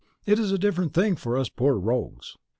It is a different thing for us poor rogues.